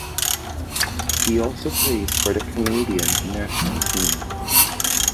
He also plays for the Canadian national team.